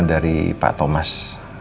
dari pak thomas